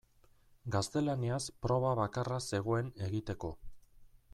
Gaztelaniaz proba bakarra zegoen egiteko.